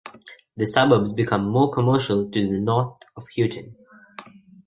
The suburbs become more commercial to the north of Houghton.